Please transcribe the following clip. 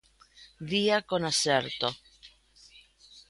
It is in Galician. Día con acerto.